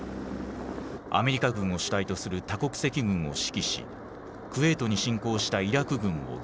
アメリカ軍を主体とする多国籍軍を指揮しクウェートに侵攻したイラク軍を撃破。